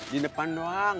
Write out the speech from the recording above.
di depan doang